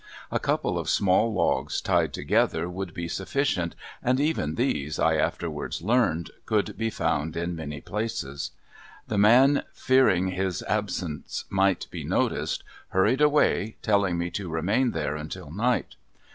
A couple of small logs tied together would be sufficient, and even these, I afterwards learned, could be found in many places. The man, fearing his absence might be noticed, hurried away, telling me to remain there until night.